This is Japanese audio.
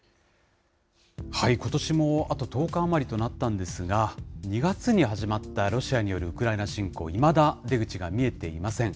ことしもあと１０日余りとなったんですが、２月に始まったロシアによるウクライナ侵攻、いまだ出口が見えていません。